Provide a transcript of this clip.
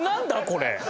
これ。